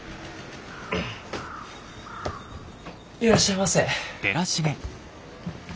いらっしゃいませ。